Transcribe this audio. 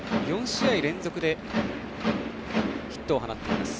４試合連続でヒットを放っています。